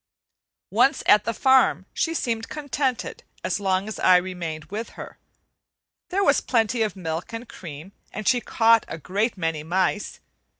Once at the farm she seemed contented as long as I remained with her. There was plenty of milk and cream, and she caught a great many mice.